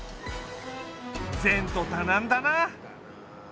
前途多難だな。